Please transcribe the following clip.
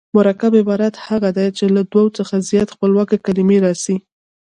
مرکب عبارت هغه دﺉ، چي له دوو څخه زیاتي خپلواکي کلیمې راسي.